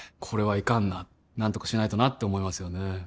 これはいかんな何とかしないとなって思いますよね